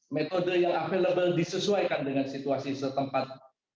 metode yang available disesuaikan dengan situasi setempat